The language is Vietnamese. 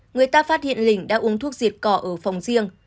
người ta phát hiện lình đã uống thuốc diệt cỏ ở phòng riêng